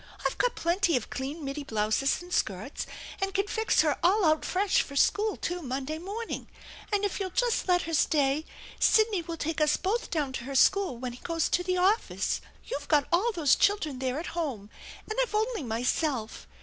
I've got plenty of clean middy blouses and skirts and can fix her all out fresb for school, too, Monday morning, and if you'll just let her stay Sidney will take us both down to her school when he goes to the office. You've got all those children there at home, and I've only myself.